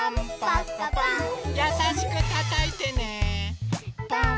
やさしくたたいてね。